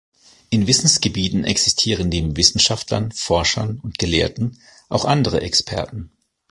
In Wissensgebieten existieren neben Wissenschaftlern Forschern und Gelehrten auch andere Experten.